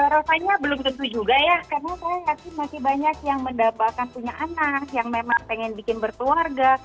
rasanya belum tentu juga ya karena saya yakin masih banyak yang mendapatkan punya anak yang memang pengen bikin berkeluarga